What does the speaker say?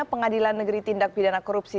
pengadilan negeri tindak pidana korupsi